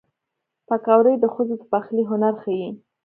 پکورې د ښځو د پخلي هنر ښيي